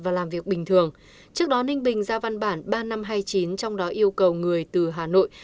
và làm việc bình thường trước đó ninh bình ra văn bản ba nghìn năm trăm hai mươi chín trong đó yêu cầu người từ hà nội